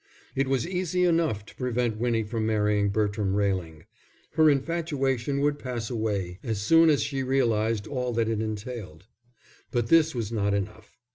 It was easy enough to prevent Winnie from marrying Bertram Railing; her infatuation would pass away as soon as she realized all that it entailed. But this was not enough.